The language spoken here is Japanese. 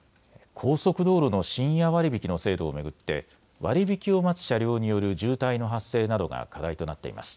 高速道路の深夜割引の制度を巡って割り引きを待つ車両による渋滞の発生などが課題となっています。